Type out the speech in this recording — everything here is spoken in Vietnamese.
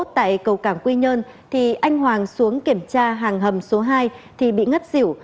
tại cầu cảng quy nhơn thì anh hoàng xuống kiểm tra hàng hầm số hai thì bị ngất xỉu